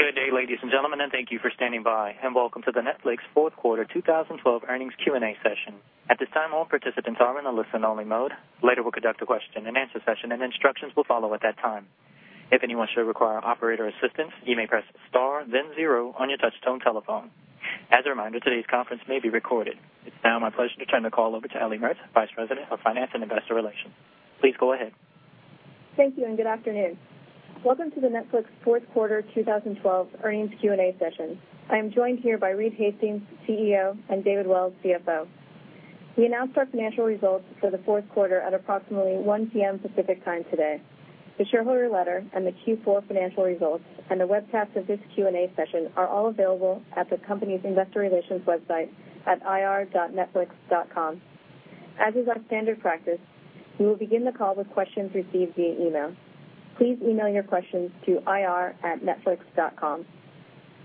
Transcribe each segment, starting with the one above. Good day, ladies and gentlemen, thank you for standing by. Welcome to the Netflix fourth quarter 2012 earnings Q&A session. At this time, all participants are in a listen-only mode. Later, we'll conduct a question-and-answer session, and instructions will follow at that time. If anyone should require operator assistance, you may press star then zero on your touch-tone telephone. As a reminder, today's conference may be recorded. It's now my pleasure to turn the call over to Ellie Mertz, Vice President of Finance and Investor Relations. Please go ahead. Thank you, good afternoon. Welcome to the Netflix fourth quarter 2012 earnings Q&A session. I am joined here by Reed Hastings, CEO, and David Wells, CFO. We announced our financial results for the fourth quarter at approximately 1:00 P.M. Pacific Time today. The shareholder letter and the Q4 financial results and the webcast of this Q&A session are all available at the company's investor relations website at ir.netflix.com. As is our standard practice, we will begin the call with questions received via email. Please email your questions to ir@netflix.com.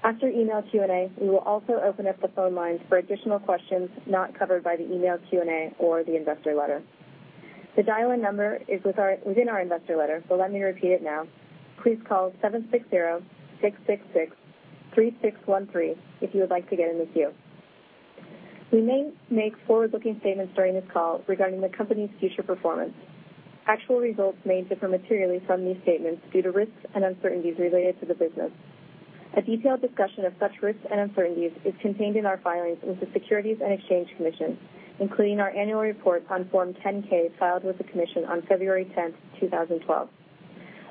After email Q&A, we will also open up the phone lines for additional questions not covered by the email Q&A or the investor letter. The dial-in number is within our investor letter, but let me repeat it now. Please call 760-666-3613 if you would like to get in the queue. We may make forward-looking statements during this call regarding the company's future performance. Actual results may differ materially from these statements due to risks and uncertainties related to the business. A detailed discussion of such risks and uncertainties is contained in our filings with the Securities and Exchange Commission, including our annual report on Form 10-K filed with the Commission on February 10, 2012.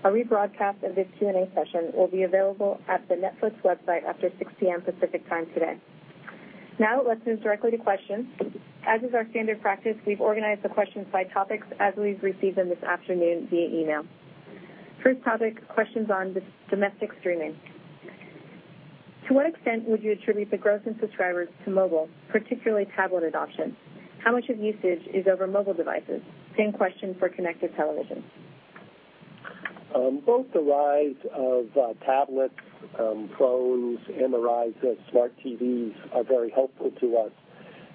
A rebroadcast of this Q&A session will be available at the Netflix website after 6:00 P.M. Pacific Time today. Let's move directly to questions. As is our standard practice, we've organized the questions by topics as we've received them this afternoon via email. First topic, questions on domestic streaming. To what extent would you attribute the growth in subscribers to mobile, particularly tablet adoption? How much of usage is over mobile devices? Same question for connected television. Both the rise of tablets, phones, and the rise of smart TVs are very helpful to us.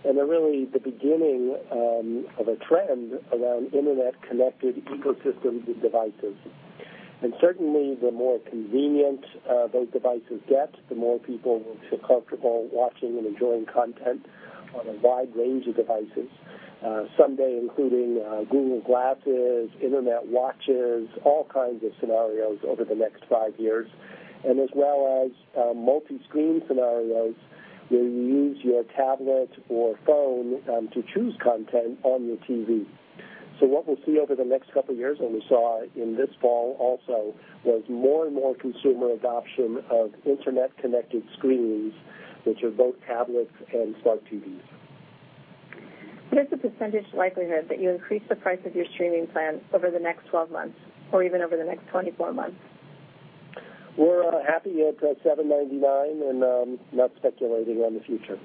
They're really the beginning of a trend around internet-connected ecosystems with devices. Certainly, the more convenient those devices get, the more people will feel comfortable watching and enjoying content on a wide range of devices, someday including Google Glass, internet-watches, all kinds of scenarios over the next five years, and as well as multi-screen scenarios where you use your tablet or phone to choose content on your TV. What we'll see over the next couple of years, and we saw in this fall also, was more and more consumer adoption of internet-connected screens, which are both tablets and smart TVs. What is the % likelihood that you increase the price of your streaming plans over the next 12 months or even over the next 24 months? We're happy at $7.99 and not speculating on the future.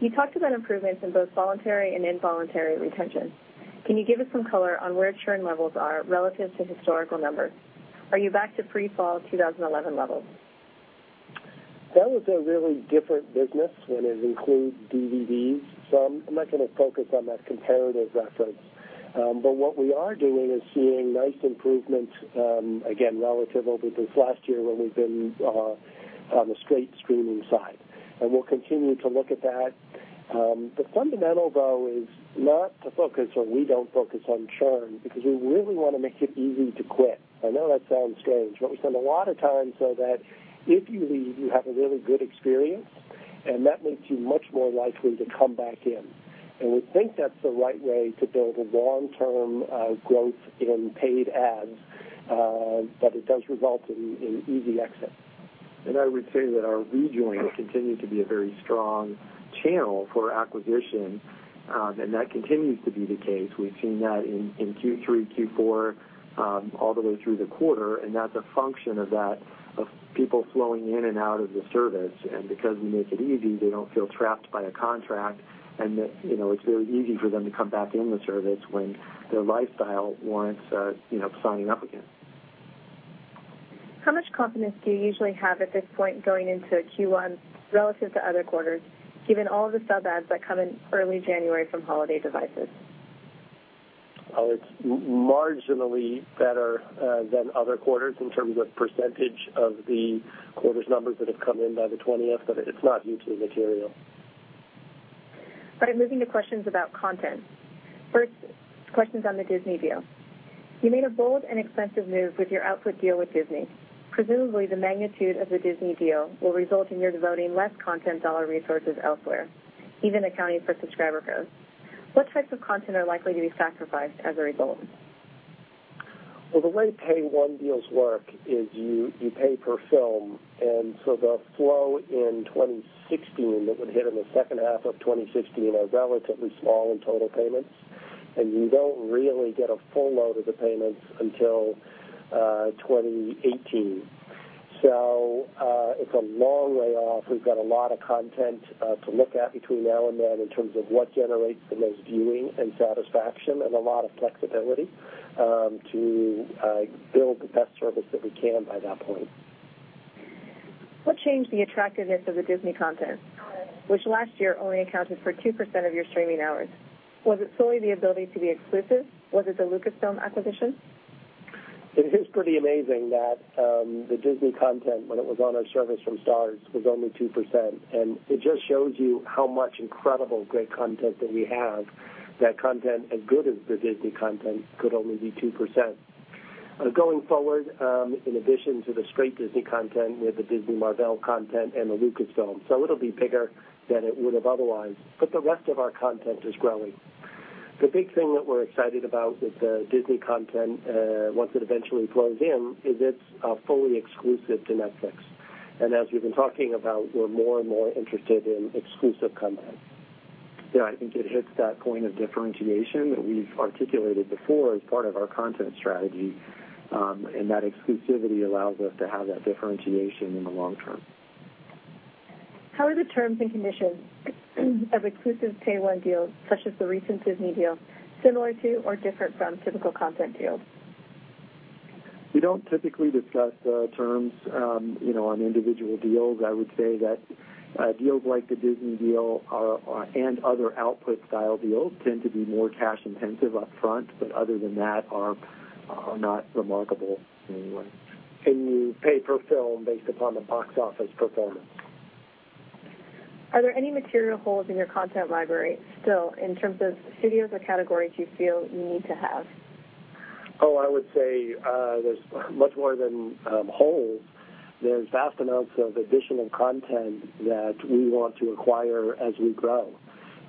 You talked about improvements in both voluntary and involuntary retention. Can you give us some color on where churn levels are relative to historical numbers? Are you back to pre-fall 2011 levels? That was a really different business when it includes DVDs, I'm not going to focus on that comparative reference. What we are doing is seeing nice improvement, again, relative over this last year when we've been on the straight streaming side, and we'll continue to look at that. The fundamental, though, is not to focus, or we don't focus on churn because we really want to make it easy to quit. I know that sounds strange, but we spend a lot of time so that if you leave, you have a really good experience, and that makes you much more likely to come back in. We think that's the right way to build a long-term growth in paid adds, but it does result in easy exit. I would say that our rejoin continued to be a very strong channel for acquisition, and that continues to be the case. We've seen that in Q3, Q4, all the way through the quarter, and that's a function of people flowing in and out of the service. Because we make it easy, they don't feel trapped by a contract, and it's very easy for them to come back in the service when their lifestyle warrants signing up again. How much confidence do you usually have at this point going into Q1 relative to other quarters, given all of the sub adds that come in early January from holiday devices? It's marginally better than other quarters in terms of % of the quarters numbers that have come in by the 20th, but it's not hugely material. All right. Moving to questions about content. First, questions on the Disney deal. You made a bold and expensive move with your output deal with Disney. Presumably, the magnitude of the Disney deal will result in your devoting less content dollar resources elsewhere, even accounting for subscriber growth. What types of content are likely to be sacrificed as a result? Well, the way Pay-1 deals work is you pay per film, the flow in 2016 that would hit in the second half of 2016 are relatively small in total payments, and you don't really get a full load of the payments until 2018. It's a long way off. We've got a lot of content to look at between now and then in terms of what generates the most viewing and satisfaction and a lot of flexibility to build the best service that we can by that point What changed the attractiveness of the Disney content, which last year only accounted for 2% of your streaming hours? Was it solely the ability to be exclusive? Was it the Lucasfilm acquisition? It is pretty amazing that the Disney content, when it was on our service from Starz, was only 2%. It just shows you how much incredible great content that we have, that content as good as the Disney content could only be 2%. Going forward, in addition to the straight Disney content, we have the Disney Marvel content and the Lucasfilm. It'll be bigger than it would've otherwise, but the rest of our content is growing. The big thing that we're excited about with the Disney content, once it eventually flows in, is it's fully exclusive to Netflix. As we've been talking about, we're more and more interested in exclusive content. Yeah, I think it hits that point of differentiation that we've articulated before as part of our content strategy. That exclusivity allows us to have that differentiation in the long term. How are the terms and conditions of exclusive Pay-1 deals, such as the recent Disney deal, similar to or different from typical content deals? We don't typically discuss terms on individual deals. I would say that deals like the Disney deal and other output style deals tend to be more cash intensive upfront, but other than that, are not remarkable in any way. You pay per film based upon the box office performance. Are there any material holes in your content library still, in terms of studios or categories you feel you need to have? I would say, there's much more than holes. There's vast amounts of additional content that we want to acquire as we grow.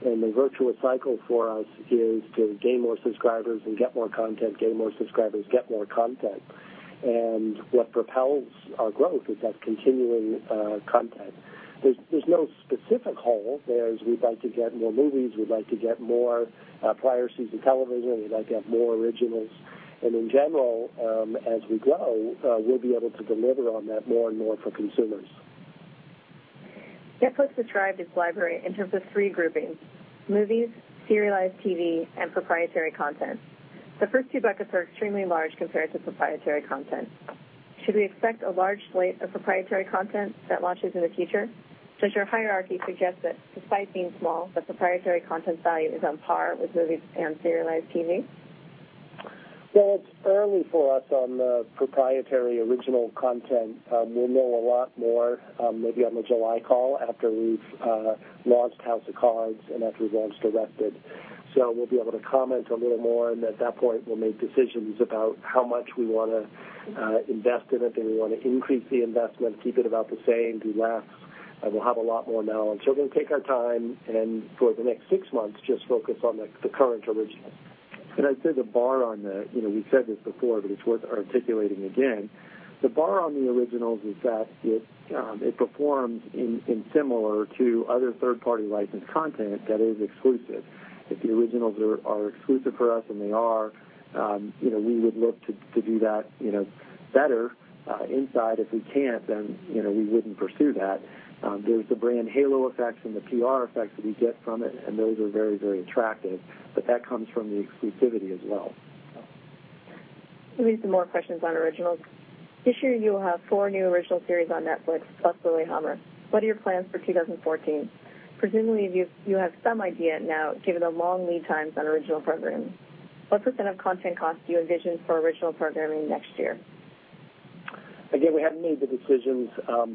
The virtuous cycle for us is to gain more subscribers and get more content. What propels our growth is that continuing content. There's no specific hole. We'd like to get more movies, we'd like to get more prior season television, we'd like to get more originals. In general, as we grow, we'll be able to deliver on that more and more for consumers. Netflix described its library in terms of three groupings: movies, serialized TV, and proprietary content. The first two buckets are extremely large compared to proprietary content. Should we expect a large slate of proprietary content that launches in the future? Does your hierarchy suggest that despite being small, the proprietary content value is on par with movies and serialized TV? It's early for us on the proprietary original content. We'll know a lot more maybe on the July call after we've launched "House of Cards" and after it launched "Arrested." We'll be able to comment a little more, at that point, we'll make decisions about how much we want to invest in it, do we want to increase the investment, keep it about the same, do less. We'll have a lot more knowledge. We're going to take our time and for the next six months, just focus on the current originals. I'd say the bar on the we've said this before, but it's worth articulating again. The bar on the originals is that it performs in similar to other third-party licensed content that is exclusive. If the originals are exclusive for us, and they are, we would look to do that better inside. If we can't, we wouldn't pursue that. There's the brand halo effects and the PR effects that we get from it, those are very, very attractive. That comes from the exclusivity as well. Give me some more questions on originals. This year you will have four new original series on Netflix, plus "Lilyhammer." What are your plans for 2014? Presumably, you have some idea now, given the long lead times on original programming. What % of content costs do you envision for original programming next year? Again, we haven't made the decisions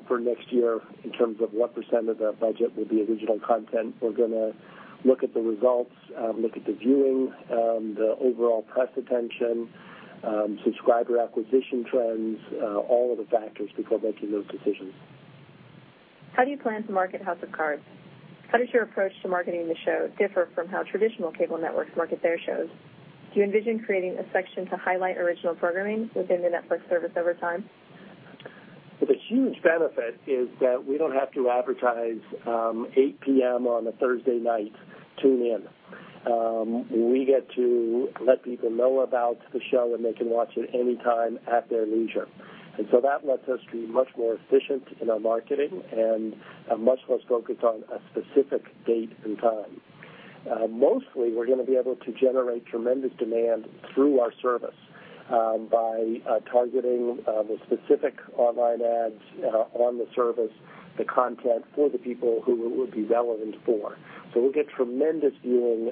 for next year in terms of what % of our budget will be original content. We're going to look at the results, look at the viewing, the overall press attention, subscriber acquisition trends, all of the factors before making those decisions. How do you plan to market "House of Cards?" How does your approach to marketing the show differ from how traditional cable networks market their shows? Do you envision creating a section to highlight original programming within the Netflix service over time? The huge benefit is that we don't have to advertise, 8:00 P.M. on a Thursday night, tune in. We get to let people know about the show, they can watch it anytime at their leisure. That lets us be much more efficient in our marketing and much less focused on a specific date and time. Mostly, we're going to be able to generate tremendous demand through our service by targeting the specific online ads on the service, the content for the people who it would be relevant for. We'll get tremendous viewing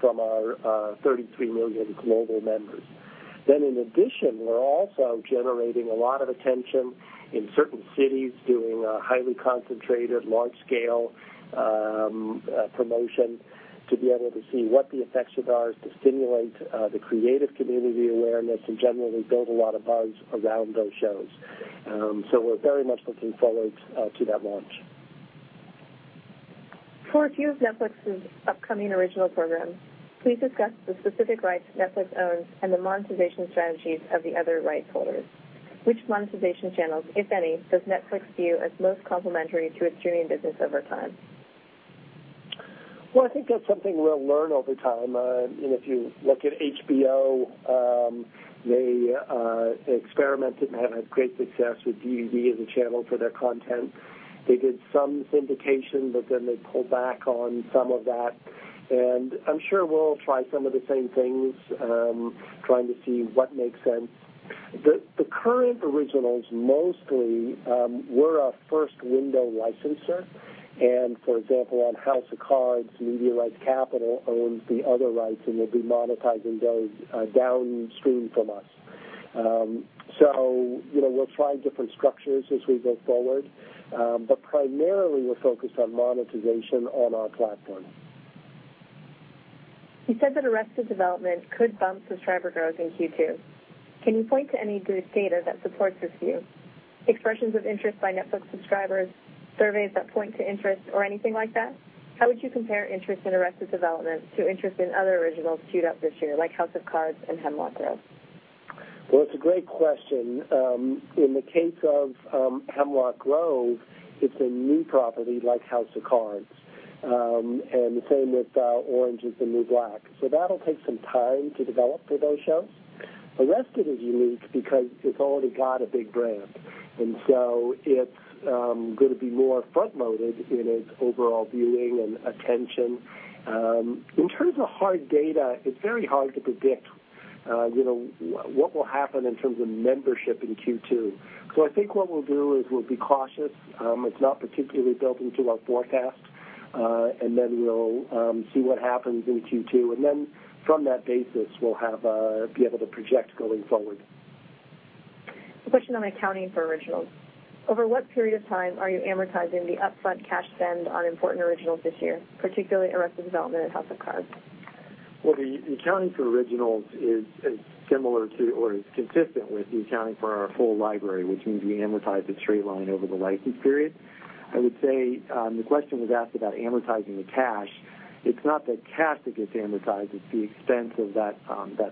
from our 33 million global members. In addition, we're also generating a lot of attention in certain cities, doing a highly concentrated, large-scale promotion to be able to see what the effects of ours to stimulate the creative community awareness and generally build a lot of buzz around those shows. We're very much looking forward to that launch. For a few of Netflix's upcoming original programs, please discuss the specific rights Netflix owns and the monetization strategies of the other rights holders. Which monetization channels, if any, does Netflix view as most complementary to its streaming business over time? Well, I think that's something we'll learn over time. If you look at HBO, they experimented and had great success with DVD as a channel for their content. They did some syndication. Then they pulled back on some of that. I'm sure we'll try some of the same things, trying to see what makes sense. The current originals mostly were our first window licensor. For example, on "House of Cards," Media Rights Capital owns the other rights, and they'll be monetizing those downstream from us. We'll try different structures as we go forward. Primarily, we're focused on monetization on our platform. You said that "Arrested Development" could bump subscriber growth in Q2. Can you point to any good data that supports this view? Expressions of interest by Netflix subscribers, surveys that point to interest or anything like that? How would you compare interest in "Arrested Development" to interest in other originals queued up this year like "House of Cards" and "Hemlock Grove? Well, it's a great question. In the case of "Hemlock Grove," it's a new property like "House of Cards," and the same with "Orange Is the New Black." That'll take some time to develop for those shows. "Arrested" is unique because it's already got a big brand. It's going to be more front-loaded in its overall viewing and attention. In terms of hard data, it's very hard to predict what will happen in terms of membership in Q2. I think what we'll do is we'll be cautious. It's not particularly built into our forecast. Then we'll see what happens in Q2. Then from that basis, we'll be able to project going forward. A question on accounting for originals. Over what period of time are you amortizing the upfront cash spend on important originals this year, particularly "Arrested Development" and "House of Cards? Well, the accounting for originals is similar to or is consistent with the accounting for our full library, which means we amortize it straight line over the license period. I would say the question was asked about amortizing the cash. It's not the cash that gets amortized, it's the expense of that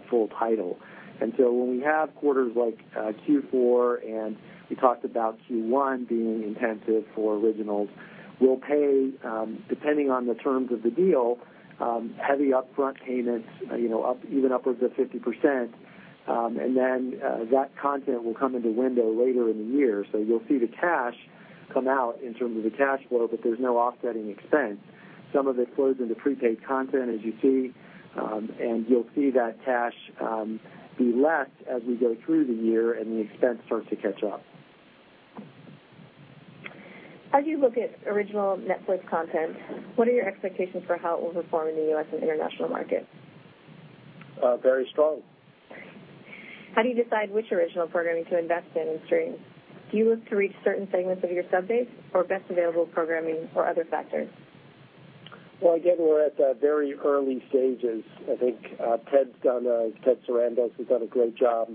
full title. When we have quarters like Q4, and we talked about Q1 being intensive for originals, we'll pay depending on the terms of the deal, heavy upfront payments, even upwards of 50%. That content will come into window later in the year. You'll see the cash come out in terms of the cash flow, but there's no offsetting expense. Some of it flows into prepaid content as you see. You'll see that cash be less as we go through the year and the expense starts to catch up. How do you look at original Netflix content? What are your expectations for how it will perform in the U.S. and international markets? Very strong. How do you decide which original programming to invest in and stream? Do you look to reach certain segments of your sub-base or best available programming or other factors? Well, again, we're at very early stages. I think Ted Sarandos has done a great job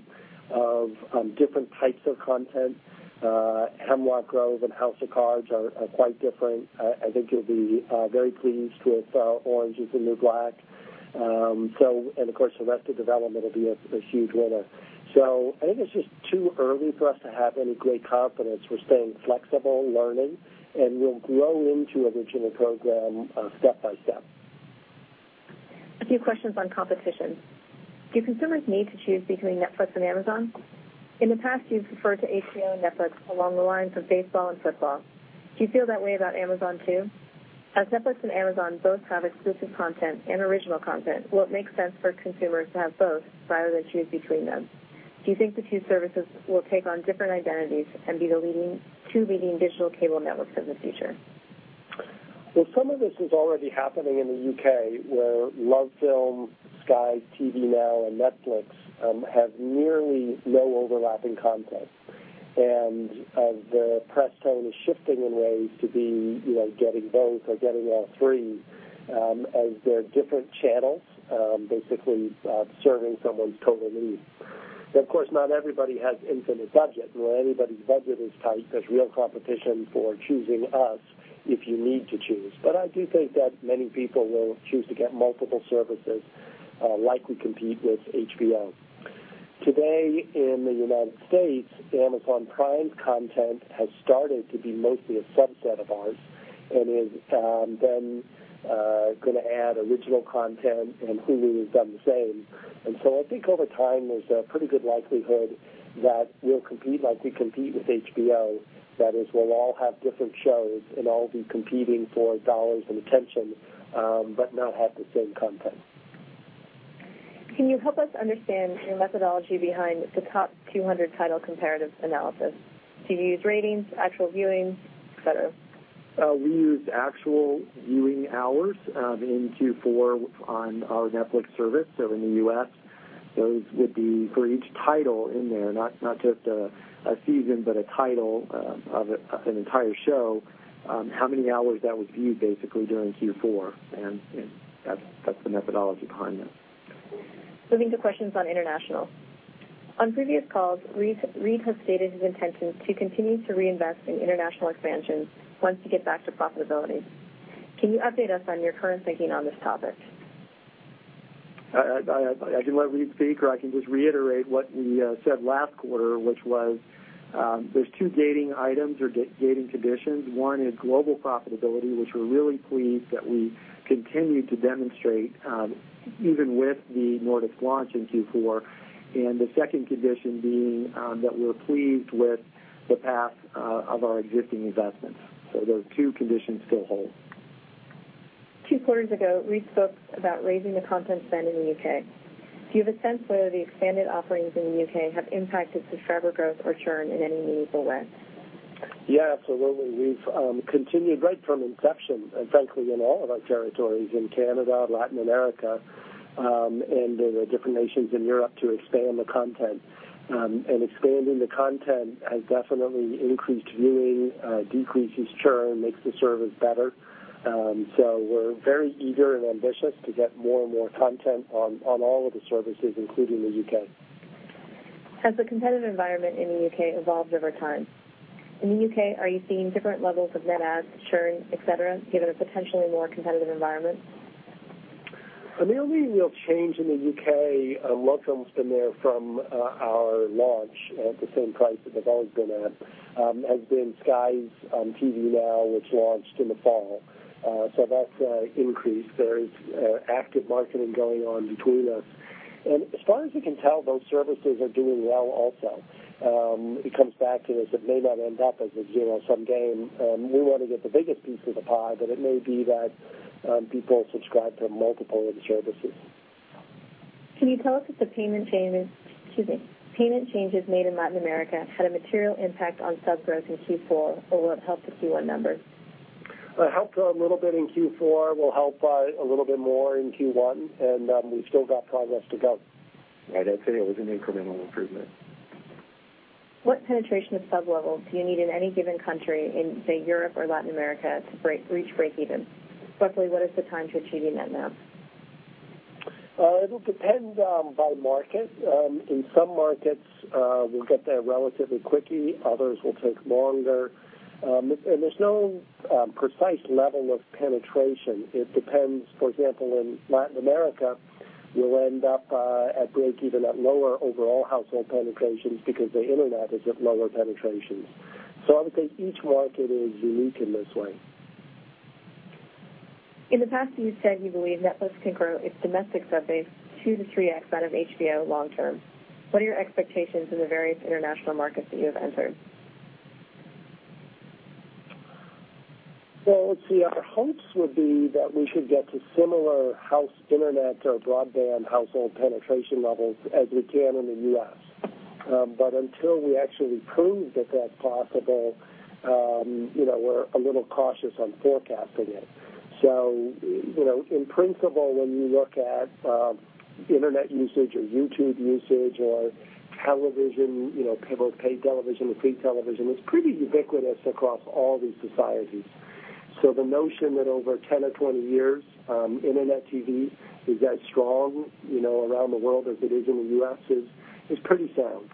of different types of content. "Hemlock Grove" and "House of Cards" are quite different. I think you'll be very pleased with "Orange Is the New Black." Of course, "Arrested Development" will be a huge winner. I think it's just too early for us to have any great confidence. We're staying flexible, learning, and we'll grow into original program step by step. A few questions on competition. Do consumers need to choose between Netflix and Amazon? In the past, you've referred to HBO and Netflix along the lines of baseball and football. Do you feel that way about Amazon too? Netflix and Amazon both have exclusive content and original content, will it make sense for consumers to have both rather than choose between them? Do you think the two services will take on different identities and be the two leading digital cable networks of the future? Well, some of this is already happening in the U.K., where LoveFilm, Sky, Now TV, and Netflix have nearly no overlapping content. The press tone is shifting in ways to be getting both or getting all three as they're different channels basically serving someone's total need. Of course, not everybody has infinite budget. Everybody's budget is tight. There's real competition for choosing us if you need to choose. I do think that many people will choose to get multiple services, like we compete with HBO. Today in the U.S., Amazon Prime content has started to be mostly a subset of ours and is then going to add original content, and Hulu has done the same. I think over time, there's a pretty good likelihood that we'll compete like we compete with HBO. That is, we'll all have different shows, and all will be competing for dollars and attention, but not have the same content. Can you help us understand your methodology behind the top 200 title comparative analysis? Do you use ratings, actual viewing, et cetera? We use actual viewing hours in Q4 on our Netflix service. In the U.S., those would be for each title in there, not just a season, but a title of an entire show, how many hours that was viewed basically during Q4, and that's the methodology behind that. Moving to questions on international. On previous calls, Reed has stated his intention to continue to reinvest in international expansion once you get back to profitability. Can you update us on your current thinking on this topic? I can let Reed speak, or I can just reiterate what we said last quarter, which was there's two gating items or gating conditions. One is global profitability, which we're really pleased that we continue to demonstrate even with the Nordics launch in Q4, and the second condition being that we're pleased with the path of our existing investments. Those two conditions still hold. Two quarters ago, Reed spoke about raising the content spend in the U.K. Do you have a sense whether the expanded offerings in the U.K. have impacted the subscriber growth or churn in any meaningful way? Yeah, absolutely. We've continued right from inception, frankly, in all of our territories, in Canada, Latin America, and in the different nations in Europe, to expand the content. Expanding the content has definitely increased viewing, decreases churn, makes the service better. We're very eager and ambitious to get more and more content on all of the services, including the U.K. Has the competitive environment in the U.K. evolved over time? In the U.K., are you seeing different levels of net adds, churn, et cetera, given a potentially more competitive environment? The only real change in the U.K., and LoveFilm been there from our launch at the same price that they've always been at, has been Sky's Now TV, which launched in the fall. That's increased. There is active marketing going on between us. As far as we can tell, those services are doing well also. It comes back to this, it may not end up as a zero-sum game. We want to get the biggest piece of the pie, it may be that people subscribe to multiple of the services. Can you tell us if the payment changes made in Latin America had a material impact on sub growth in Q4, or will it help the Q1 numbers? It helped a little bit in Q4, will help a little bit more in Q1, and we've still got progress to come. I'd say it was an incremental improvement. What penetration of sub levels do you need in any given country in, say, Europe or Latin America to reach breakeven? Roughly, what is the time to achieving that now? It'll depend by market. In some markets, we'll get there relatively quickly. Others will take longer. There's no precise level of penetration. It depends. For example, in Latin America, you'll end up at breakeven at lower overall household penetrations because the internet is at lower penetrations. I would say each market is unique in this way. In the past you've said you believe Netflix can grow its domestic sub base 2x-3x out of HBO long term. What are your expectations in the various international markets that you have entered? Let's see, our hopes would be that we should get to similar house internet or broadband household penetration levels as we can in the U.S. Until we actually prove that that's possible, we're a little cautious on forecasting it. In principle, when you look at internet usage or YouTube usage or television, both paid television and free television, it's pretty ubiquitous across all these societies. The notion that over 10 or 20 years Internet TV is as strong around the world as it is in the U.S., is pretty sound.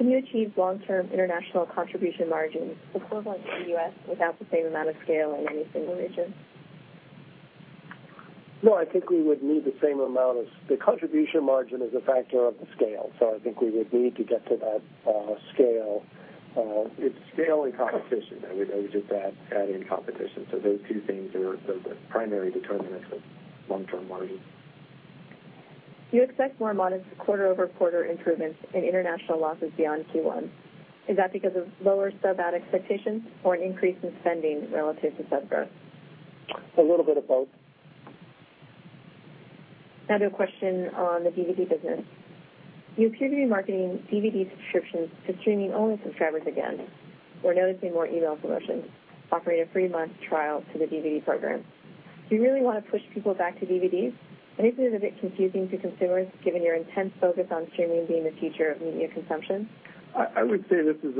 Can you achieve long-term international contribution margins equivalent to the U.S. without the same amount of scale in any single region? I think we would need the same. The contribution margin is a factor of the scale. I think we would need to get to that scale. It's scale and competition. I would just add in competition. Those two things are the primary determinants of long-term margin. You expect more modest quarter-over-quarter improvements in international losses beyond Q1. Is that because of lower sub-add expectations or an increase in spending relative to sub growth? A little bit of both. Now to a question on the DVD business. You appear to be marketing DVD subscriptions to streaming-only subscribers again. We're noticing more email promotions offering a free month trial to the DVD program. Do you really want to push people back to DVDs? Isn't it a bit confusing to consumers given your intense focus on streaming being the future of media consumption? I would say this is,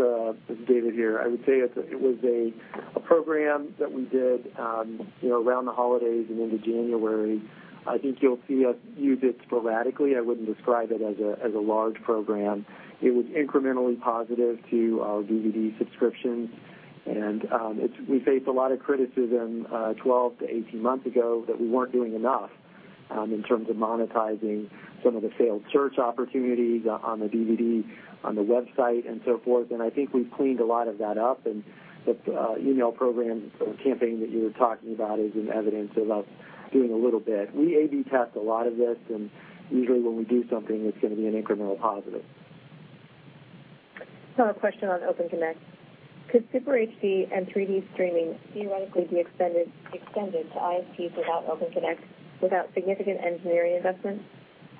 David here, it was a program that we did around the holidays and into January. I think you'll see us use it sporadically. I wouldn't describe it as a large program. It was incrementally positive to our DVD subscriptions. We faced a lot of criticism 12 to 18 months ago that we weren't doing enough in terms of monetizing some of the failed search opportunities on the DVD, on the website, and so forth. I think we've cleaned a lot of that up. The email program campaign that you were talking about is an evidence of us doing a little bit. We A/B test a lot of this, and usually when we do something, it's going to be an incremental positive. Now a question on Open Connect. Could Super HD and 3D streaming theoretically be extended to ISPs without Open Connect, without significant engineering investment?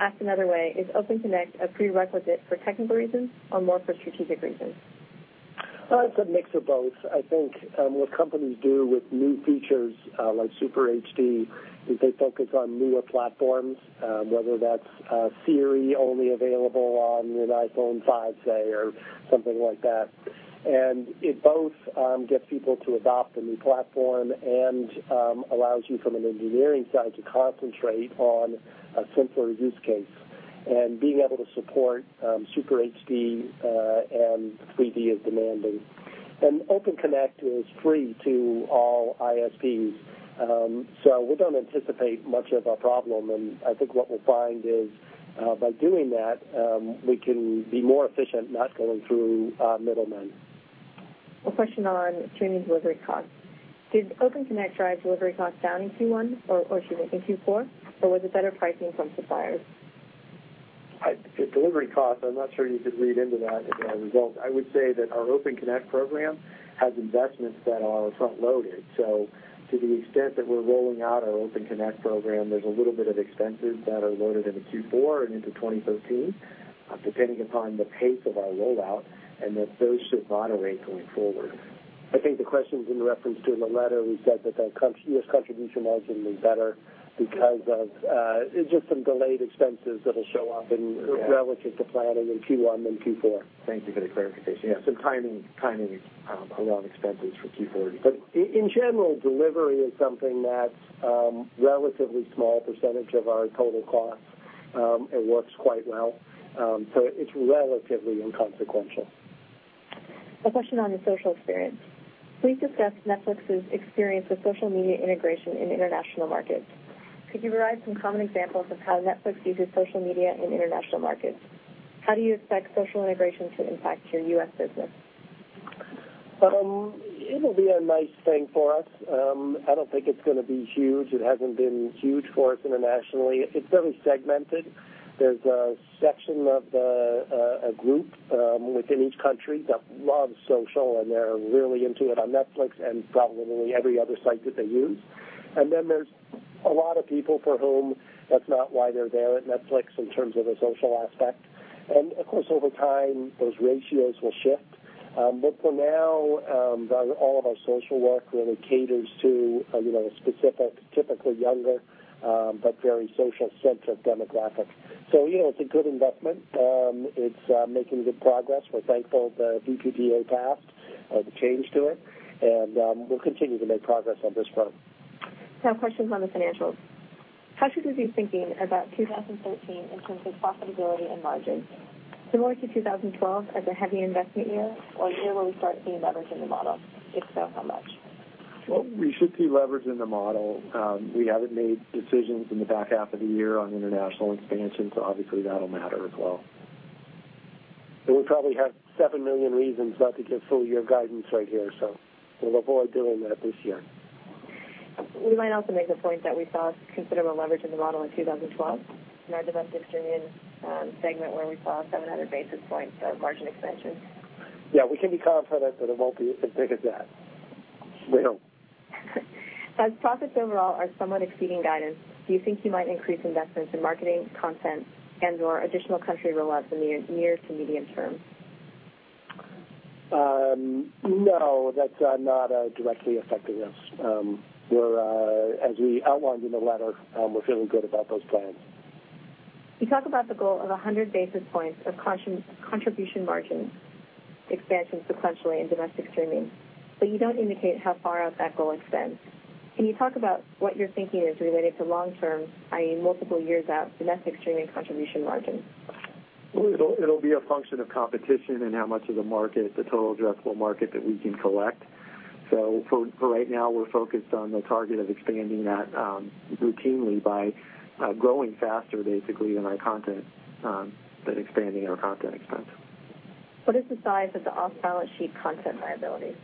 Asked another way, is Open Connect a prerequisite for technical reasons or more for strategic reasons? It's a mix of both. I think what companies do with new features, like Super HD, is they focus on newer platforms, whether that's Siri only available on an iPhone 5, say, or something like that. It both gets people to adopt a new platform and allows you from an engineering side to concentrate on a simpler use case. Being able to support Super HD and 3D is demanding. Open Connect is free to all ISPs. We don't anticipate much of a problem, and I think what we'll find is by doing that, we can be more efficient not going through middlemen. A question on streaming delivery costs. Did Open Connect drive delivery costs down in Q4? Was it better pricing from suppliers? Delivery costs, I'm not sure you could read into that as a result. I would say that our Open Connect program has investments that are front-loaded. To the extent that we're rolling out our Open Connect program, there's a little bit of expenses that are loaded into Q4 and into 2013, depending upon the pace of our rollout, and that those should moderate going forward. I think the question is in reference to in the letter, we said that the U.S. contribution margin was better because of just some delayed expenses that'll show up relative to planning in Q1 than Q4. Thank you for the clarification. Yeah. Some timing around expenses for Q4. In general, delivery is something that's a relatively small % of our total cost. It works quite well. It's relatively inconsequential. A question on the social experience. Please discuss Netflix's experience with social media integration in international markets. Could you provide some common examples of how Netflix uses social media in international markets? How do you expect social integration to impact your U.S. business? It'll be a nice thing for us. I don't think it's going to be huge. It hasn't been huge for us internationally. It's very segmented. There's a section of a group within each country that loves social, they're really into it on Netflix and probably every other site that they use. Then there's a lot of people for whom that's not why they're there at Netflix in terms of a social aspect. Of course, over time, those ratios will shift. For now, all of our social work really caters to a specific, typically younger but very social-centric demographic. It's a good investment. It's making good progress. We're thankful the VPPA passed, the change to it, we'll continue to make progress on this front. Questions on the financials. How should we be thinking about 2013 in terms of profitability and margins? Similar to 2012 as a heavy investment year, or a year where we start seeing leverage in the model? If so, how much? We should see leverage in the model. We haven't made decisions in the back half of the year on international expansion, obviously that'll matter as well. We probably have 7 million reasons not to give full-year guidance right here, we'll avoid doing that this year. We might also make the point that we saw considerable leverage in the model in 2012 in our Domestic Streaming segment, where we saw 700 basis points of margin expansion. Yeah, we can be confident that it won't be as big as that. We hope. Profits overall are somewhat exceeding guidance, do you think you might increase investments in marketing content and/or additional country rollouts in the near to medium term? No, that's not directly affecting us. We outlined in the letter, we're feeling good about those plans. You talk about the goal of 100 basis points of contribution margin expansion sequentially in domestic streaming, you don't indicate how far out that goal extends. Can you talk about what your thinking is related to long-term, i.e., multiple years out, domestic streaming contribution margin? Well, it'll be a function of competition and how much of the market, the total addressable market that we can collect. For right now, we're focused on the target of expanding that routinely by growing faster, basically, than our content, than expanding our content expense. What is the size of the off-balance sheet content liability?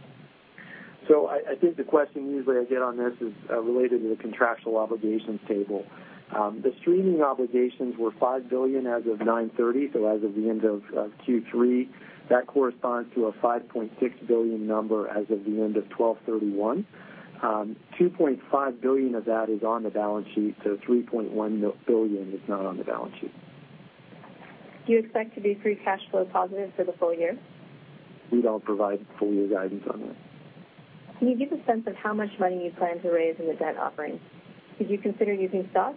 I think the question usually I get on this is related to the contractual obligations table. The streaming obligations were $5 billion as of 9/30, as of the end of Q3. That corresponds to a $5.6 billion number as of the end of 12/31. $2.5 billion of that is on the balance sheet, $3.1 billion is not on the balance sheet. Do you expect to be free cash flow positive for the full year? We don't provide full-year guidance on that. Can you give a sense of how much money you plan to raise in the debt offering? Did you consider using stock?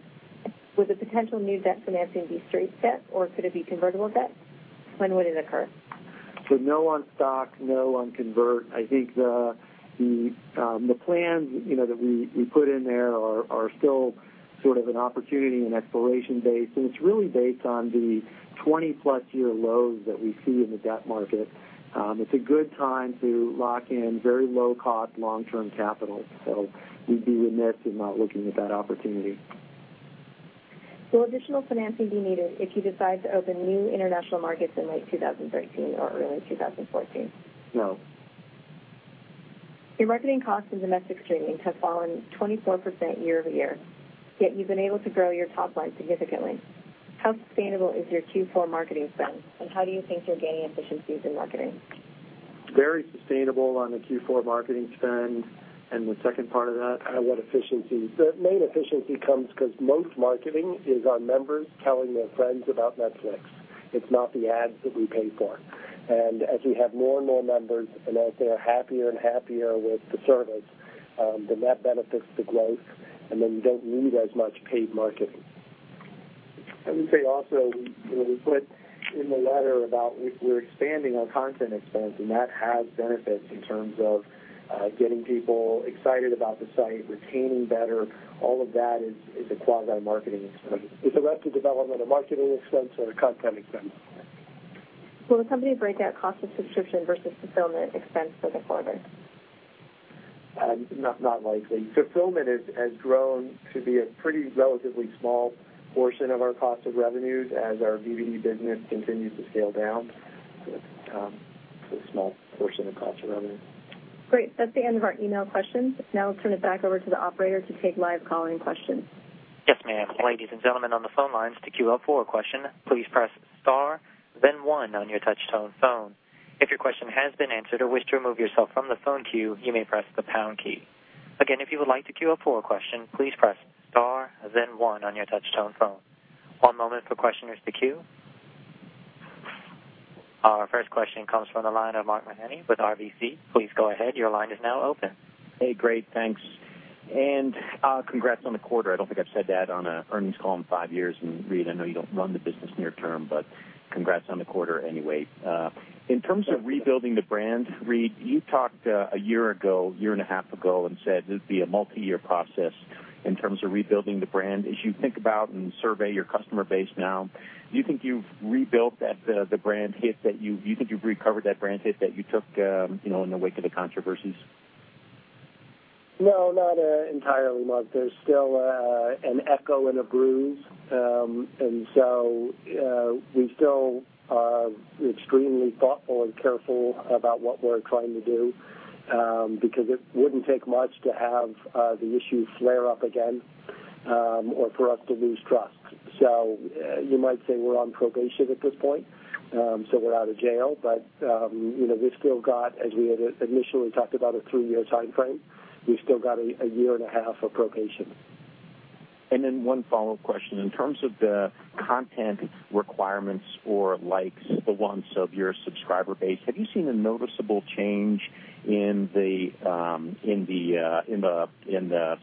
Would the potential new debt financing be straight debt, or could it be convertible debt? When would it occur? No on stock, no on convert. I think the plans that we put in there are still sort of an opportunity and exploration base. It's really based on the 20-plus year lows that we see in the debt market. It's a good time to lock in very low-cost, long-term capital. We'd be remiss in not looking at that opportunity. Will additional financing be needed if you decide to open new international markets in late 2013 or early 2014? No. Your marketing costs in domestic streaming have fallen 24% year-over-year, yet you've been able to grow your top line significantly. How sustainable is your Q4 marketing spend, and how do you think you're gaining efficiencies in marketing? Very sustainable on the Q4 marketing spend. The second part of that, what efficiencies? The main efficiency comes because most marketing is on members telling their friends about Netflix. It's not the ads that we pay for. As we have more and more members, and as they're happier and happier with the service, then that benefits the growth, and then you don't need as much paid marketing. Let me say also, we put in the letter about we're expanding our content expense, and that has benefits in terms of getting people excited about the site, retaining better. All of that is a quasi-marketing expense. Is Arrested Development a marketing expense or a content expense? Will the company break out cost of subscription versus fulfillment expense for the quarter? Not likely. Fulfillment has grown to be a pretty relatively small portion of our cost of revenues as our DVD business continues to scale down. It's a small portion of cost of revenue. Great. That's the end of our email questions. Let's turn it back over to the operator to take live calling questions. Yes, ma'am. Ladies and gentlemen on the phone lines, to queue up for a question, please press star then one on your touch-tone phone. If your question has been answered or wish to remove yourself from the phone queue, you may press the pound key. Again, if you would like to queue up for a question, please press star then one on your touch-tone phone. One moment for questioners to queue. Our first question comes from the line of Mark Mahaney with RBC. Please go ahead. Your line is now open. Hey, great. Thanks. Congrats on the quarter. I don't think I've said that on an earnings call in five years. Reed, I know you don't run the business near term, but congrats on the quarter anyway. In terms of rebuilding the brand, Reed, you talked a year ago, year and a half ago, and said it would be a multi-year process in terms of rebuilding the brand. As you think about and survey your customer base now, do you think you've recovered that brand hit that you took in the wake of the controversies? No, not entirely, Mark. There's still an echo and a bruise. We still are extremely thoughtful and careful about what we're trying to do because it wouldn't take much to have the issue flare up again or for us to lose trust. You might say we're on probation at this point. We're out of jail, but we still got, as we had initially talked about, a three-year timeframe. We've still got a year and a half of probation. One follow-up question. In terms of the content requirements for likes, the wants of your subscriber base, have you seen a noticeable change in the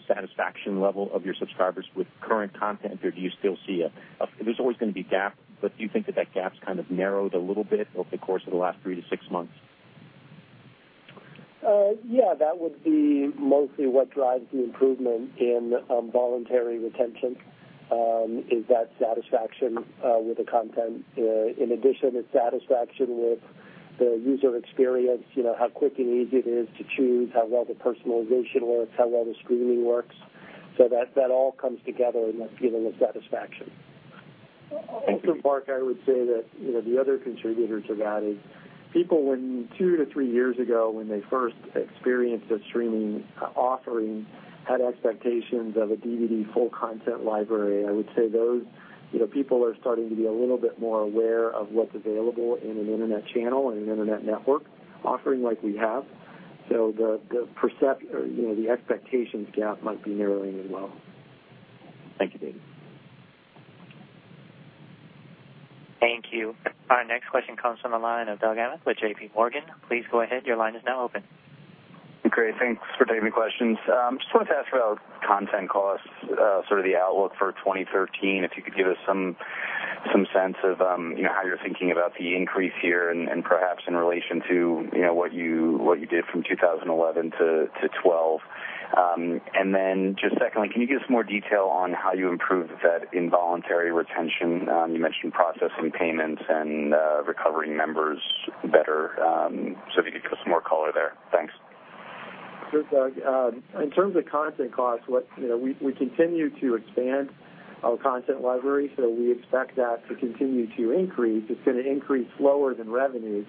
satisfaction level of your subscribers with current content? Or do you still see there's always going to be gap, but do you think that that gap's kind of narrowed a little bit over the course of the last three to six months? That would be mostly what drives the improvement in voluntary retention, is that satisfaction with the content. In addition, it's satisfaction with the user experience, how quick and easy it is to choose, how well the personalization works, how well the streaming works. That all comes together in the feeling of satisfaction. Mark, I would say that the other contributors of that is people when, two to three years ago, when they first experienced a streaming offering, had expectations of a DVD full content library. I would say those people are starting to be a little bit more aware of what's available in an internet channel and an internet network offering like we have. The expectations gap might be narrowing as well. Thank you, David. Thank you. Our next question comes from the line of Doug Anmuth with JPMorgan. Please go ahead. Your line is now open. Great. Thanks for taking the questions. Just wanted to ask about content costs, sort of the outlook for 2013, if you could give us some sense of how you're thinking about the increase here and perhaps in relation to what you did from 2011 to 2012. Just secondly, can you give us more detail on how you improved that involuntary retention? You mentioned processing payments and recovering members better, so if you could give us more color there. Thanks. Sure, Doug. In terms of content costs, we continue to expand our content library, we expect that to continue to increase. It's going to increase slower than revenue.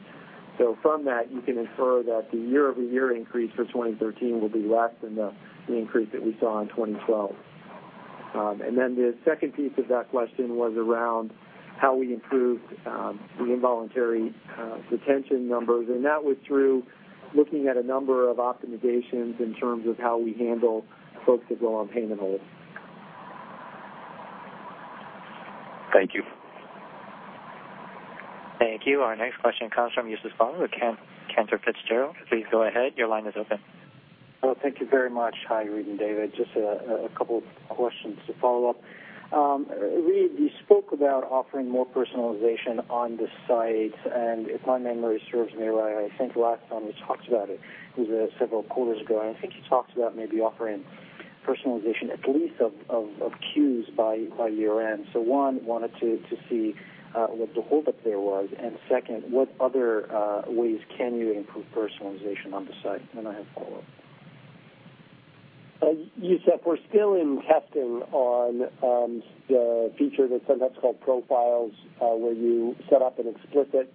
From that, you can infer that the year-over-year increase for 2013 will be less than the increase that we saw in 2012. The second piece of that question was around how we improved the involuntary retention numbers, that was through looking at a number of optimizations in terms of how we handle folks that go on payment hold. Thank you. Thank you. Our next question comes from Youssef Squali with Cantor Fitzgerald. Please go ahead. Your line is open. Thank you very much. Hi, Reed and David. Just a couple of questions to follow up. Reed, you spoke about offering more personalization on the site, and if my memory serves me right, I think last time we talked about it was several quarters ago, and I think you talked about maybe offering personalization at least of queues by year-end. One, wanted to see what the holdup there was. Second, what other ways can you improve personalization on the site? I have follow-up. Youssef, we're still in testing on the feature that's sometimes called profiles, where you set up an explicit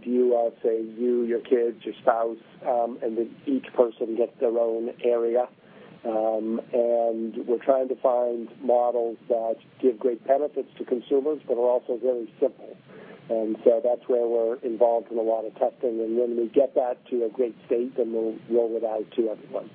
view of, say, you, your kids, your spouse, and then each person gets their own area. We're trying to find models that give great benefits to consumers but are also very simple. That's where we're involved in a lot of testing. When we get that to a great state, then we'll roll it out to everyone.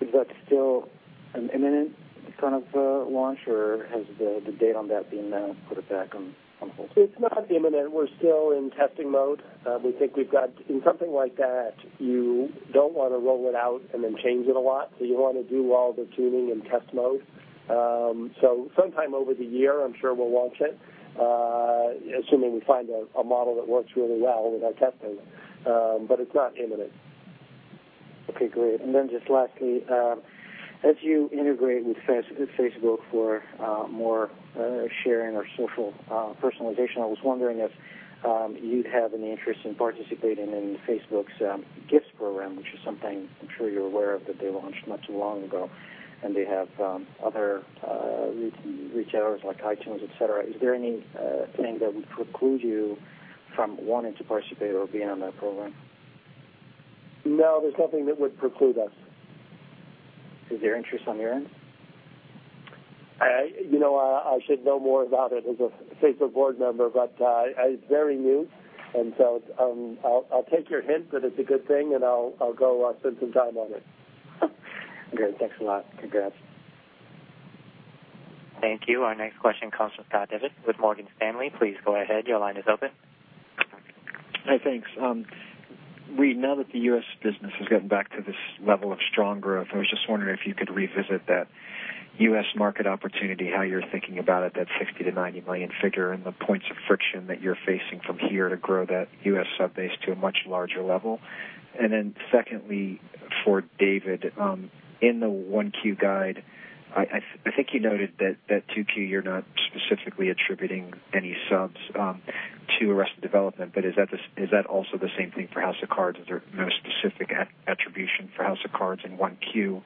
Is that still an imminent kind of launch, or has the date on that been put back on hold? It's not imminent. We're still in testing mode. We think we've got in something like that, you don't want to roll it out and then change it a lot, so you want to do all the tuning in test mode. Sometime over the year, I'm sure we'll launch it, assuming we find a model that works really well with our testing. It's not imminent. Okay, great. Just lastly, as you integrate with Facebook for more sharing or social personalization, I was wondering if you'd have any interest in participating in Facebook Gifts program, which is something I'm sure you're aware of that they launched not too long ago. They have other retailers like iTunes, et cetera. Is there anything that would preclude you from wanting to participate or being on that program? No, there's nothing that would preclude us. Is there interest on your end? I should know more about it as a Facebook board member, but it's very new. I'll take your hint that it's a good thing, and I'll go spend some time on it. Great. Thanks a lot. Congrats. Thank you. Our next question comes from Scott Devitt with Morgan Stanley. Please go ahead. Your line is open. Hi. Thanks. Reed, now that the U.S. business has gotten back to this level of strong growth, I was just wondering if you could revisit that U.S. market opportunity, how you're thinking about it, that 60 to 90 million figure, and the points of friction that you're facing from here to grow that U.S. sub base to a much larger level. Secondly, for David, in the 1Q guide, I think you noted that 2Q, you're not specifically attributing any subs to "Arrested Development," but is that also the same thing for "House of Cards?" Is there no specific attribution for "House of Cards" in 1Q?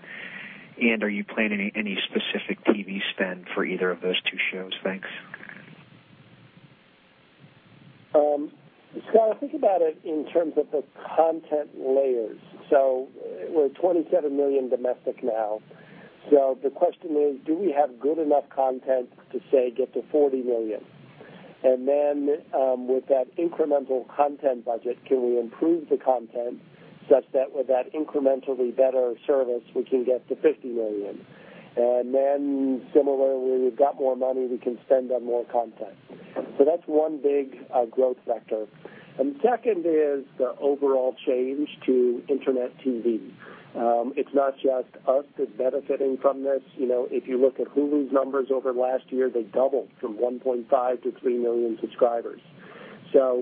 Are you planning any specific TV spend for either of those two shows? Thanks. Scott, think about it in terms of the content layers. We're at 27 million domestic now. The question is, do we have good enough content to, say, get to 40 million? With that incremental content budget, can we improve the content such that with that incrementally better service, we can get to 50 million? Similarly, we've got more money we can spend on more content. That's one big growth vector. Second is the overall change to internet TV. It's not just us that's benefiting from this. If you look at Hulu's numbers over last year, they doubled from 1.5 million to 3 million subscribers.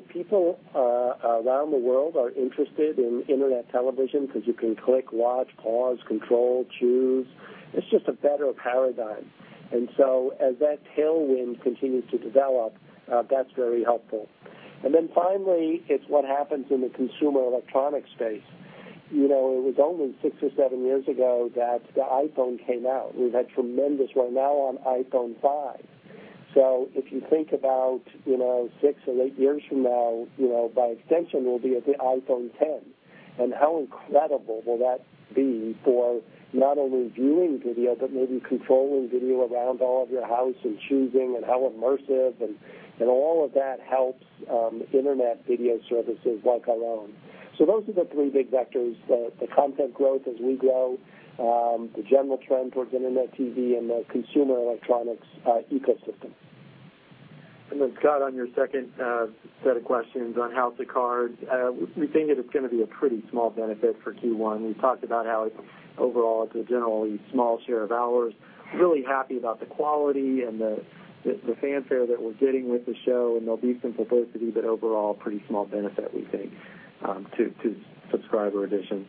People around the world are interested in internet television because you can click, watch, pause, control, choose. It's just a better paradigm. As that tailwind continues to develop, that's very helpful. Finally, it's what happens in the consumer electronics space. It was only six or seven years ago that the iPhone came out. We're now on iPhone 5. If you think about six or eight years from now, by extension, we'll be at the iPhone 10. How incredible will that be for not only viewing video, but maybe controlling video around all of your house and choosing and how immersive. All of that helps internet video services like our own. Those are the three big vectors, the content growth as we grow, the general trend towards internet TV, and the consumer electronics ecosystem. Scott, on your second set of questions on "House of Cards," we think it is going to be a pretty small benefit for Q1. We talked about how overall it's a generally small share of ours. Really happy about the quality and the fanfare that we're getting with the show, and there'll be some publicity, but overall, pretty small benefit, we think, to subscriber addition.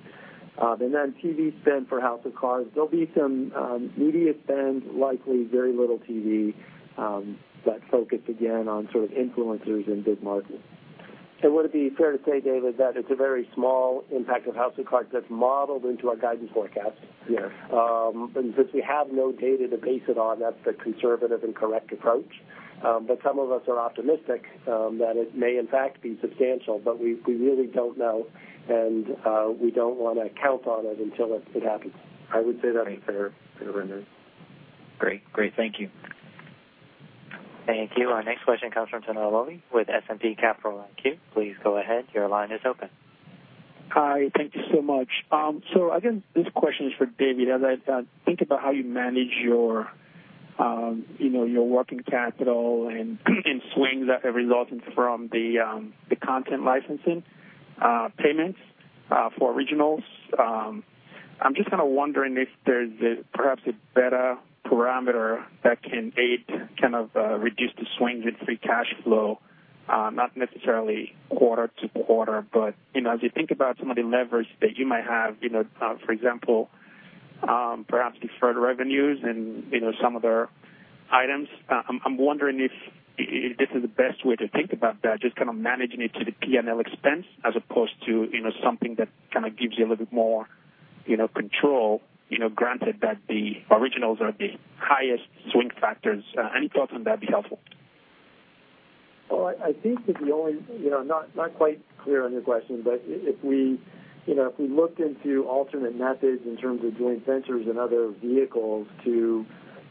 TV spend for "House of Cards," there'll be some media spend, likely very little TV that focus again on sort of influencers in big markets. Would it be fair to say, David, that it's a very small impact of House of Cards that's modeled into our guidance forecast? Yes. Since we have no data to base it on, that's the conservative and correct approach. Some of us are optimistic that it may in fact be substantial, but we really don't know, and we don't want to count on it until it happens. I would say that's fair. Fair rendering. Great. Thank you. Thank you. Our next question comes from Tuna Amobi with S&P Capital IQ. Please go ahead. Your line is open. Hi. Thank you so much. I think this question is for David. As I think about how you manage your working capital and swings that are resulting from the content licensing payments for originals. I'm just kind of wondering if there's perhaps a better parameter that can aid kind of reduce the swings in free cash flow, not necessarily quarter-to-quarter. As you think about some of the leverage that you might have, for example, perhaps deferred revenues and some other items. I'm wondering if this is the best way to think about that, just kind of managing it to the P&L expense as opposed to something that kind of gives you a little bit more control, granted that the originals are the highest swing factors. Any thoughts on that would be helpful. Well, I think that the only I'm not quite clear on your question, if we looked into alternate methods in terms of joint ventures and other vehicles to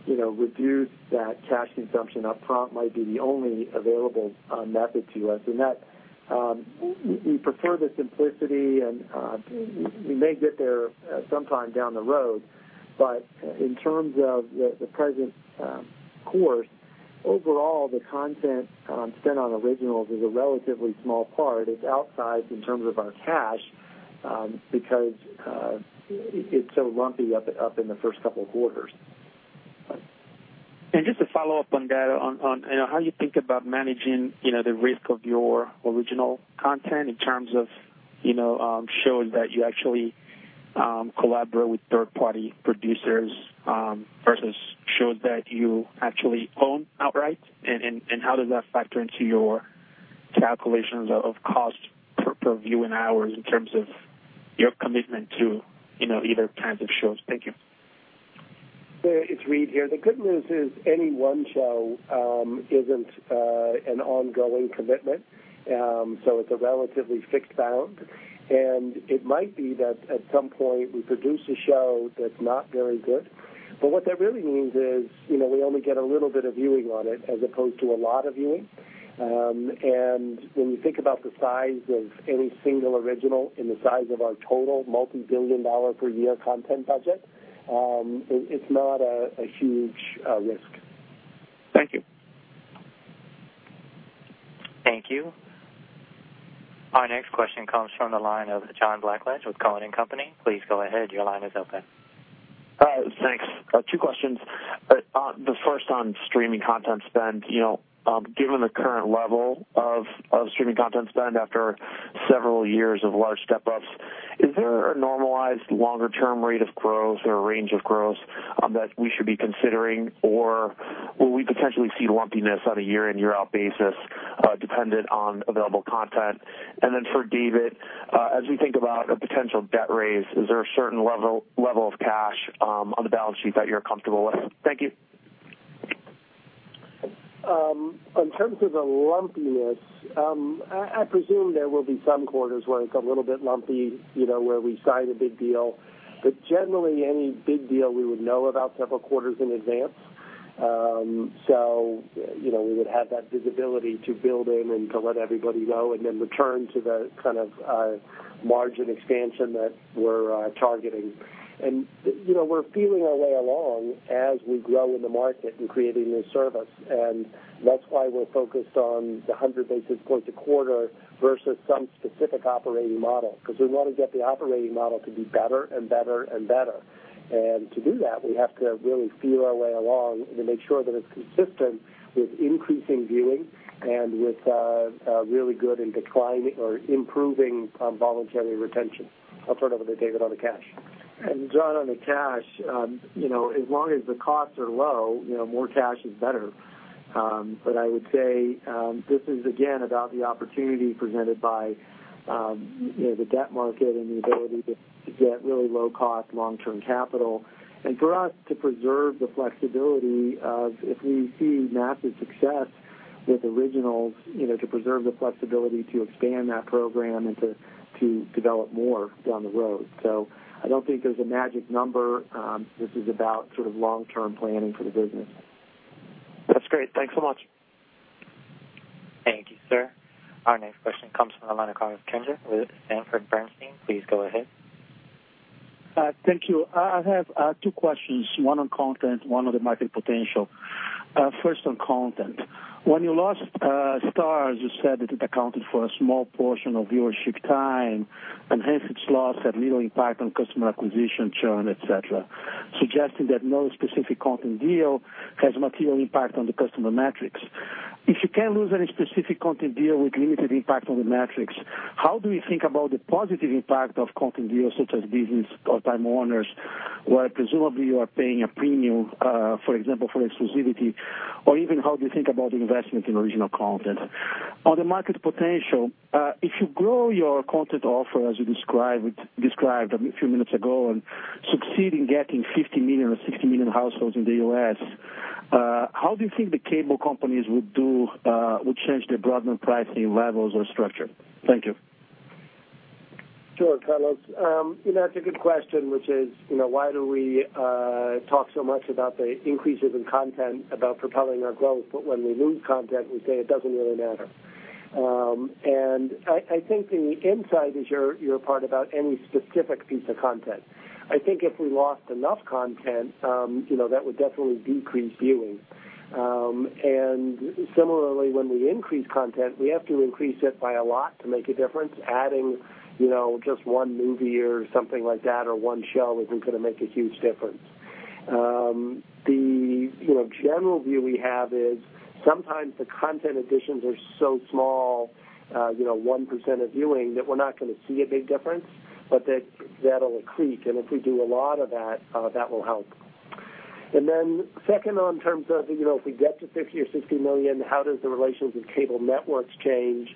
reduce that cash consumption upfront might be the only available method to us. That we prefer the simplicity and we may get there sometime down the road. In terms of the present course, overall, the content spent on originals is a relatively small part. It's outsized in terms of our cash because it's so lumpy up in the first couple of quarters. Just to follow up on that, on how you think about managing the risk of your original content in terms of shows that you actually collaborate with third-party producers versus shows that you actually own outright. How does that factor into your calculations of cost per viewing hours in terms of your commitment to either kinds of shows? Thank you. It's Reed here. The good news is any one show isn't an ongoing commitment, it's a relatively fixed bound. It might be that at some point we produce a show that's not very good. What that really means is we only get a little bit of viewing on it as opposed to a lot of viewing. When you think about the size of any single original and the size of our total multibillion dollar per year content budget, it's not a huge risk. Thank you. Thank you. Our next question comes from the line of John Blackledge with Cowen and Company. Please go ahead. Your line is open. Thanks. Two questions. The first on streaming content spend. Given the current level of streaming content spend after several years of large step-ups, is there a normalized longer-term rate of growth or a range of growth that we should be considering? Will we potentially see lumpiness on a year-in, year-out basis dependent on available content? Then for David, as we think about a potential debt raise, is there a certain level of cash on the balance sheet that you're comfortable with? Thank you. In terms of the lumpiness, I presume there will be some quarters where it's a little bit lumpy, where we sign a big deal. Generally, any big deal we would know about several quarters in advance. We would have that visibility to build in and to let everybody know and then return to the kind of margin expansion that we're targeting. We're feeling our way along as we grow in the market in creating this service. That's why we're focused on the 100 basis points a quarter versus some specific operating model, because we want to get the operating model to be better and better and better. To do that, we have to really feel our way along and to make sure that it's consistent with increasing viewing and with really good and declining or improving voluntary retention. I'll turn it over to David on the cash. John, on the cash, as long as the costs are low, more cash is better. I would say this is again about the opportunity presented by the debt market and the ability to get really low-cost long-term capital. For us to preserve the flexibility of if we see massive success with originals, to preserve the flexibility to expand that program and to develop more down the road. I don't think there's a magic number. This is about sort of long-term planning for the business. That's great. Thanks so much. Thank you, sir. Our next question comes from the line of Carlos Kirjner with Sanford Bernstein. Please go ahead. Thank you. I have two questions, one on content, one on the market potential. First on content. When you lost Starz, you said that it accounted for a small portion of viewership time, and hence its loss had little impact on customer acquisition churn, et cetera, suggesting that no specific content deal has a material impact on the customer metrics. If you can lose any specific content deal with limited impact on the metrics, how do we think about the positive impact of content deals such as Disney's or Time Warner's, where presumably you are paying a premium, for example, for exclusivity, or even how do you think about investment in original content? On the market potential, if you grow your content offer, as you described a few minutes ago, and succeed in getting 50 million or 60 million households in the U.S., how do you think the cable companies would change their broadband pricing levels or structure? Thank you. Sure, Carlos. That's a good question, which is why do we talk so much about the increases in content about propelling our growth, but when we lose content, we say it doesn't really matter. I think the insight is your part about any specific piece of content. I think if we lost enough content that would definitely decrease viewing. Similarly, when we increase content, we have to increase it by a lot to make a difference. Adding just one movie or something like that or one show isn't going to make a huge difference. The general view we have is sometimes the content additions are so small, 1% of viewing, that we're not going to see a big difference, but that'll accrete. If we do a lot of that will help. Second on terms of if we get to 50 or 60 million, how does the relations with cable networks change?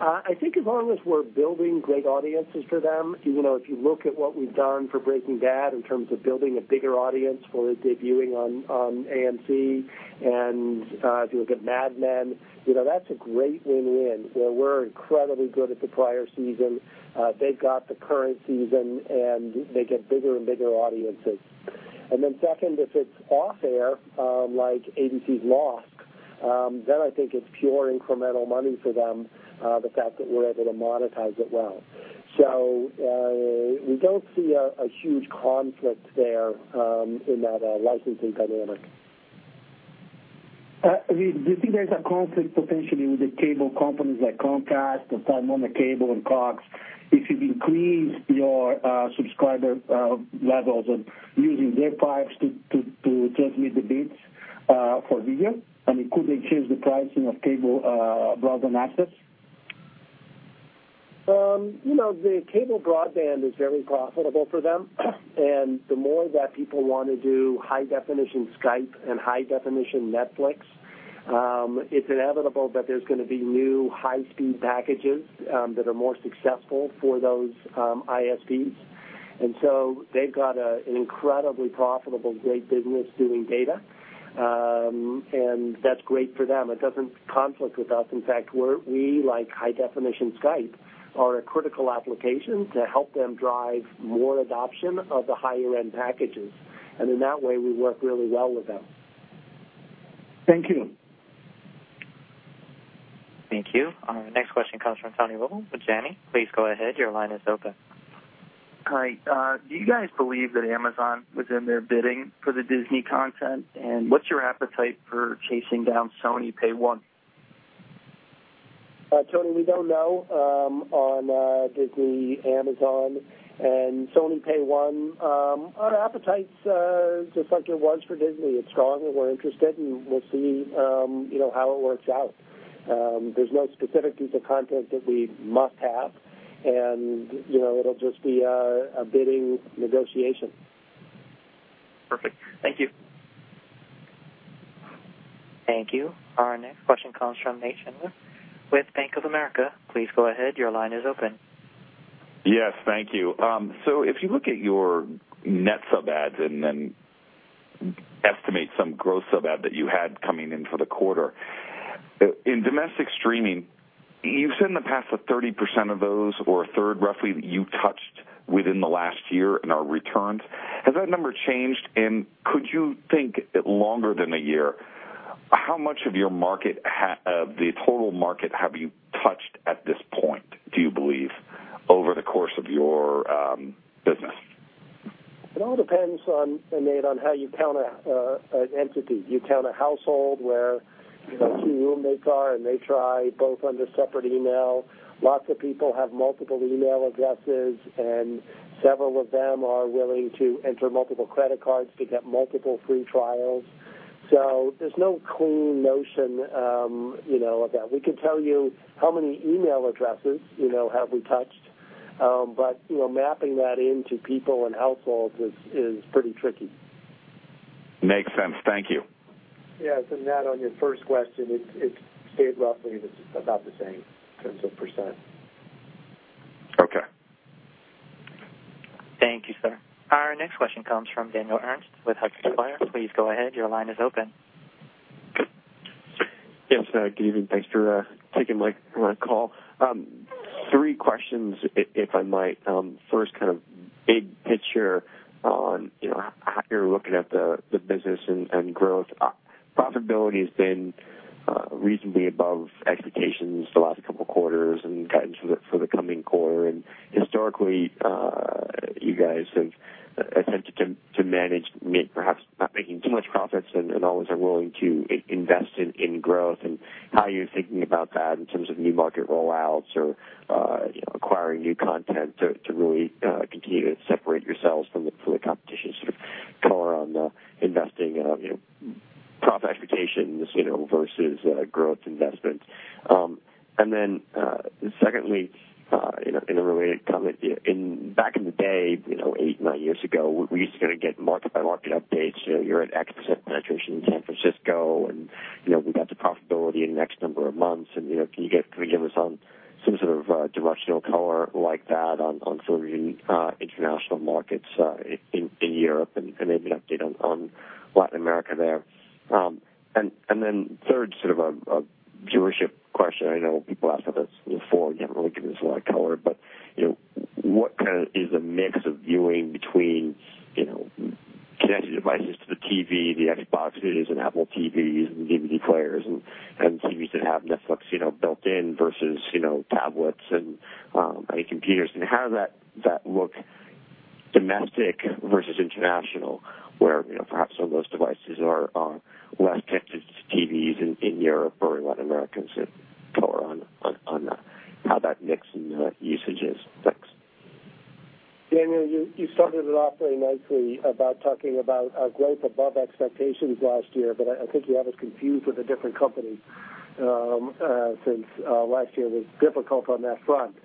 I think as long as we're building great audiences for them, if you look at what we've done for "Breaking Bad" in terms of building a bigger audience for it debuting on AMC and if you look at "Mad Men," that's a great win-win where we're incredibly good at the prior season. They've got the current season, and they get bigger and bigger audiences. Second, if it's off-air, like ABC's "Lost," then I think it's pure incremental money for them, the fact that we're able to monetize it well. We don't see a huge conflict there in that licensing dynamic. Reed, do you think there's a conflict potentially with the cable companies like Comcast or Time Warner Cable and Cox if you increase your subscriber levels and using their pipes to transmit the bits for video? I mean, could they change the pricing of cable broadband access? The cable broadband is very profitable for them, the more that people want to do high-definition Skype and high-definition Netflix. It's inevitable that there's going to be new high-speed packages that are more successful for those ISPs. They've got an incredibly profitable, great business doing data. That's great for them. It doesn't conflict with us. In fact, we, like high-definition Skype, are a critical application to help them drive more adoption of the higher-end packages. In that way, we work really well with them. Thank you. Thank you. Our next question comes from Tony Wible with Janney. Please go ahead. Your line is open. Hi. Do you guys believe that Amazon was in there bidding for the Disney content? What's your appetite for chasing down Sony Pay-1? Tony, we don't know on Disney, Amazon, and Sony Pay-1. Our appetite's just like it was for Disney. It's strong, and we're interested, and we'll see how it works out. There's no specific piece of content that we must have and it'll just be a bidding negotiation. Perfect. Thank you. Thank you. Our next question comes from Nat Schindler with Bank of America. Please go ahead. Your line is open. Yes. Thank you. If you look at your net sub-adds and then estimate some gross sub-add that you had coming in for the quarter. In domestic streaming, you've said in the past that 30% of those or a third roughly that you touched within the last year and are returned. Has that number changed? Could you think longer than a year, how much of the total market have you touched at this point, do you believe, over the course of your business? It all depends, Nat, on how you count an entity. Do you count a household where two roommates are, and they try both on their separate email? Lots of people have multiple email addresses, and several of them are willing to enter multiple credit cards to get multiple free trials. There's no clean notion of that. We could tell you how many email addresses we have touched. Mapping that into people and households is pretty tricky. Makes sense. Thank you. Yes. Nat, on your first question, it's stayed roughly about the same in terms of %. Okay. Thank you, sir. Our next question comes from Daniel Ernst with Hudson Square Research. Please go ahead. Your line is open. Yes. Good evening. Thanks for taking my call. Three questions, if I might. First, big picture on how you're looking at the business and growth. Profitability has been reasonably above expectations the last couple of quarters and guidance for the coming quarter. Historically, you guys have attempted to manage perhaps not making too much profits and always are willing to invest in growth and how you're thinking about that in terms of new market roll-outs or acquiring new content to really continue to separate yourselves from the competition, sort of color on the investing, profit expectations versus growth investment. Secondly, in a related comment, back in the day, eight, nine years ago, we used to get market-by-market updates. You're at X% penetration in San Francisco, and we got to profitability in X number of months. Can you give us some sort of directional color like that on some of your international markets in Europe and maybe an update on Latin America there? Third, sort of a viewership question. I know people ask us this before, and you haven't really given us a lot of color, but what is the mix of viewing between connected devices to the TV, the Xboxes and Apple TVs and DVD players and TVs that have Netflix built-in versus tablets and many computers? How does that look domestic versus international, where perhaps some of those devices are less connected to TVs in Europe or in Latin America and sort of color on how that mix in usage is. Thanks. Daniel, you started it off very nicely about talking about our growth above expectations last year, but I think you have us confused with a different company since last year was difficult on that front.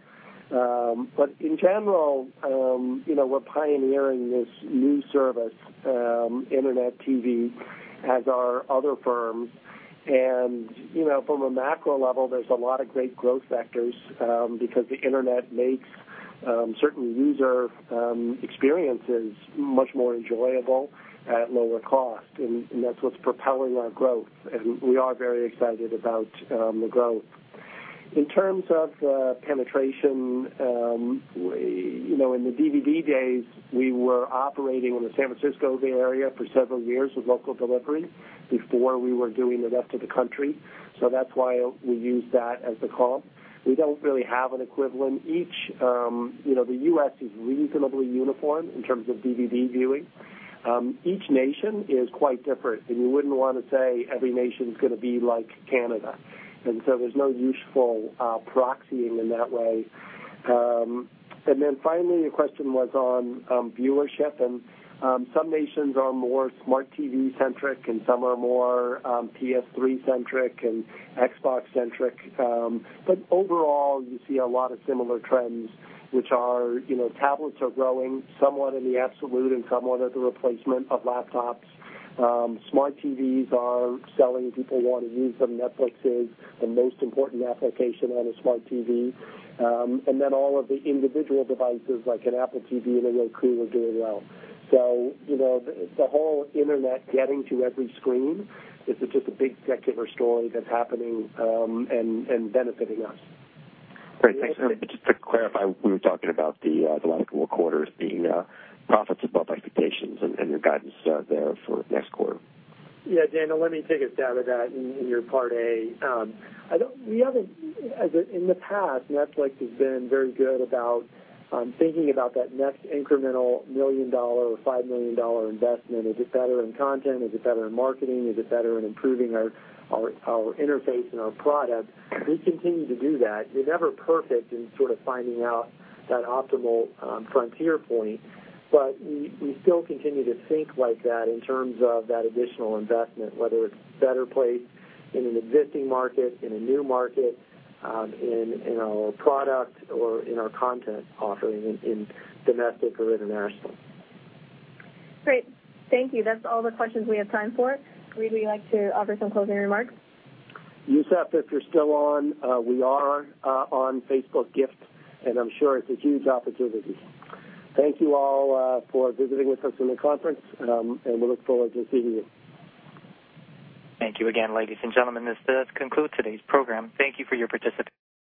In general, we're pioneering this new service, internet TV, as are other firms. From a macro level, there's a lot of great growth vectors because the internet makes certain user experiences much more enjoyable at lower cost. That's what's propelling our growth, and we are very excited about the growth. In terms of penetration, in the DVD days, we were operating in the San Francisco Bay Area for several years with local delivery before we were doing the rest of the country. That's why we use that as the comp. We don't really have an equivalent. The U.S. is reasonably uniform in terms of DVD viewing. Each nation is quite different, and you wouldn't want to say every nation's going to be like Canada. There's no useful proxying in that way. Finally, the question was on viewership, and some nations are more smart TV centric, and some are more PS3 centric and Xbox centric. Overall, you see a lot of similar trends, which are tablets are growing somewhat in the absolute and somewhat as a replacement of laptops. Smart TVs are selling. People want to use them. Netflix is the most important application on a smart TV. All of the individual devices like an Apple TV and a Roku are doing well. The whole internet getting to every screen is just a big secular story that's happening and benefiting us. Great. Thanks. Just to clarify, we were talking about the last couple of quarters being profits above expectations and your guidance there for next quarter. Yeah, Daniel, let me take a stab at that in your part A. In the past, Netflix has been very good about thinking about that next incremental $1 million or $5 million investment. Is it better in content? Is it better in marketing? Is it better in improving our interface and our product? We continue to do that. You're never perfect in sort of finding out that optimal frontier point. We still continue to think like that in terms of that additional investment, whether it's better placed in an existing market, in a new market, in our product or in our content offering in domestic or international. Great. Thank you. That's all the questions we have time for. Reed, would you like to offer some closing remarks? Youssef, if you're still on, we are on Facebook Gifts, I'm sure it's a huge opportunity. Thank you all for visiting with us in the conference, we look forward to seeing you. Thank you again, ladies and gentlemen. This does conclude today's program. Thank you for your participation.